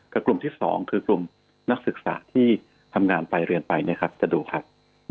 กลุ่มที่๒คือกลุ่มนักศึกษาที่ทำงานไปเรียนไปจะดูครับ